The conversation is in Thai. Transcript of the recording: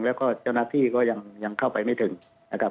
แล้วก็เจ้าหน้าที่ก็ยังเข้าไปไม่ถึงนะครับ